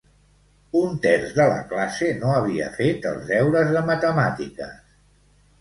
Un terç de la classe no havia fet els deures de matemàtiques.